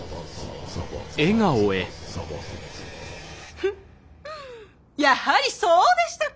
フッやはりそうでしたか。